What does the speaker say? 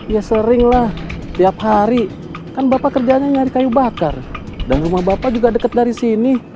iya seringlah tiap hari kan bapak kerjanya nyari kayu bakar dan rumah bapak juga deket dari sini